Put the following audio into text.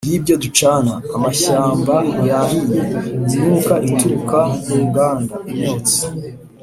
y'ibyo ducana: amashyamba yahiye, imyuka ituruka mu nganda, imyotsi